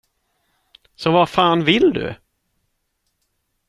Så vad fan vill du?